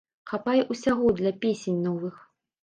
Хапае ўсяго для песень новых.